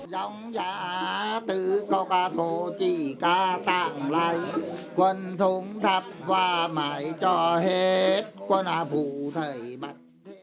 một trong những nghi lễ then được tổ chức là lẩu than